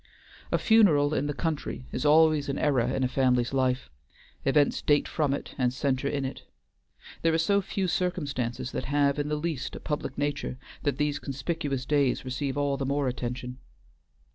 A funeral in the country is always an era in a family's life; events date from it and centre in it. There are so few circumstances that have in the least a public nature that these conspicuous days receive all the more attention.